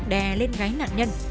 đè lên gáy nạn nhân